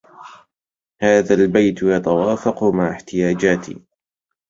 هذا البيت يتوافق مع احتياجاتي